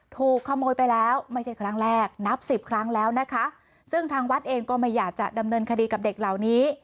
ถูกขโมยไปแล้วไม่ใช่ครั้งแรกนับสิบครั้งแล้วนะคะซึ่งทางวัดเองก็ไม่อยากจะดำเนินคดีกับเด็กเหล่านี้